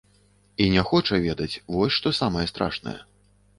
І не хоча ведаць, вось што самае страшнае.